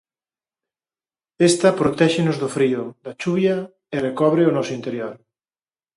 Esta protéxenos do frío, da chuvia e recobre o noso interior.